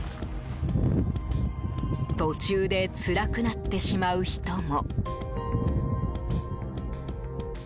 途中でつらくなってしまう人も。